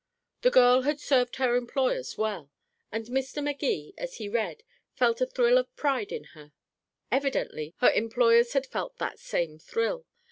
The girl had served her employers well, and Mr. Magee, as he read, felt a thrill of pride in her. Evidently the employers had felt that same thrill.